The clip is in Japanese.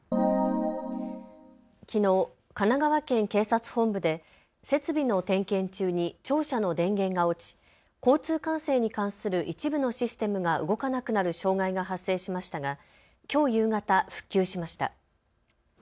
きのう、神奈川県警察本部で設備の点検中に庁舎の電源が落ち交通管制に関する一部のシステムが動かなくなる障害が発生しましたがきょう夕方、復旧しました。